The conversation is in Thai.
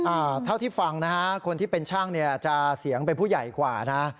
อ่าเท่าที่ฟังนะฮะคนที่เป็นช่างเนี่ยจะเสียงเป็นผู้ใหญ่กว่านะ